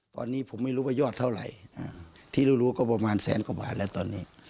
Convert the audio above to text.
ตอนนี้ผมไม่รู้ว่ายอดเท่าไหร่ที่รู้ก็ประมาณแสนกว่าบาทแล้วตอนนี้